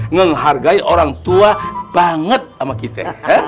ngehargai orang tua banget sama kita